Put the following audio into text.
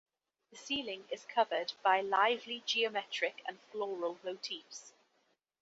The ceiling is covered by lively geometric and floral motifs.